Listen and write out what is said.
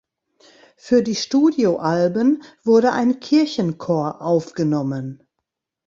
Für die Studioalben wurde ein Kirchenchor aufgenommen.